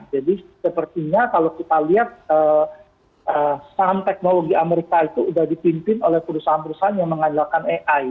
jadi sepertinya kalau kita lihat salam teknologi amerika itu sudah dipimpin oleh perusahaan perusahaan yang mengajarkan ai